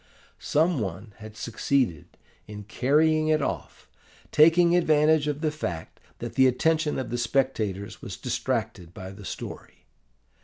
Some one had succeeded in carrying it off, taking advantage of the fact that the attention of the spectators was distracted by the story.